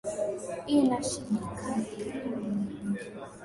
i na shindikana kweli dar es salaam mtu kuja ku